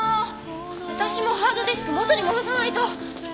私もハードディスク元に戻さないと！